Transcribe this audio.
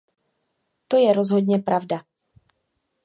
To je rozhodně pravda.